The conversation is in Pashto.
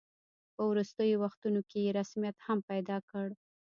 په وروستیو وختونو کې یې رسمیت هم پیدا کړ.